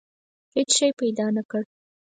هېڅ شی پیدا نه کړ.